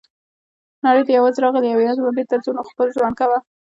نړۍ ته یوازي راغلي یوو او یوازي به بیرته ځو نو خپل ژوند کوه.